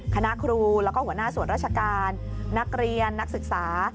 คณะครูแล้วก็หัวหน้าส่วนราชการนักเรียนนักศึกษา